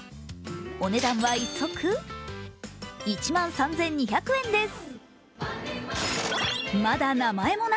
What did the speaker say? お値段は１足、１万３２００円です。